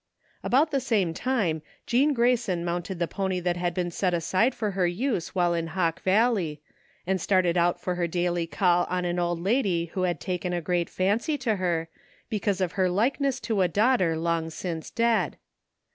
About the same time Jean Grayson mounted the pony that had been set aside for her use while in Hawk Valley, and started out for her daily call on an old lady who had taken a great fancy to her, because of her likeness to a daughter long since dead.